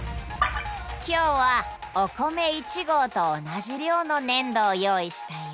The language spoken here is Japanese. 今日はお米１合と同じ量の粘土を用意したよ